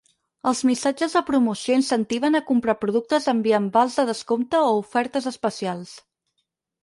Els missatges de promoció incentiven a comprar productes enviant vals de descompte o ofertes especials.